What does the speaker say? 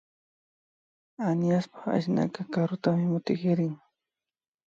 Añashpa asnayka karutami mutkirin